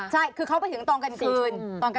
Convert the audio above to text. ใช่คือเขาไปถึงตอนกลางคืน